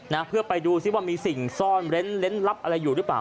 นะเพื่อไปดูซิว่ามีสิ่งซ่อนเร้นเล่นลับอะไรอยู่หรือเปล่า